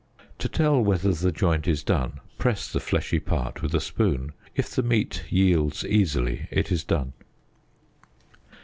To tell whether the joint is done, press the fleshy part with a spoon ; if the meat yield easily it is done.